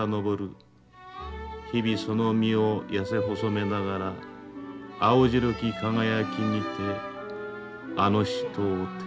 日々その身をやせ細めながら青白き輝きにてあの人を照らすために」。